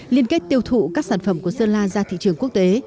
liên kết tiêu thụ các sản phẩm của sơn la ra thị trường quốc tế